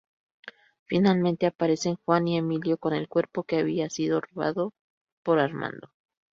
Finalmente aparecen Juan y Emilio con el cuerpo que había sido robado por Armando.